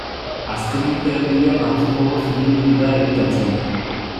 Azken urte erdian batzuk gogoz ibili dira editatzen.